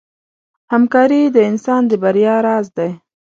همکاري د انسان د بریا راز دی.